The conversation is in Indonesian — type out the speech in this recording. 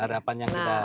harapan yang kita